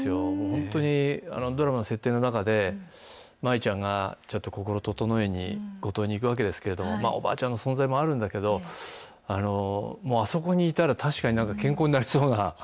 本当に、ドラマの設定の中で、舞ちゃんがちょっと心整えに五島に行くわけですけれども、おばあちゃんの存在もあるんだけど、あそこにいたら確かになんか健康になりそうな。